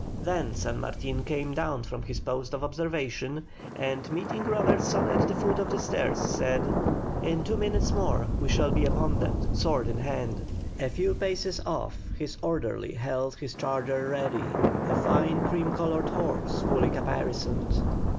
Then San Martin came down from his post of observation, and, meeting Robertson at the foot of the stairs, said: "In two minutes more we shall be upon them, sword in hand." A few paces off his orderly held his charger ready, a fine cream coloured horse, fully caparisoned.